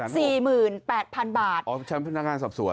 สี่หมื่นแปดพันบาทอ๋อชั้นพนักงานสอบสวน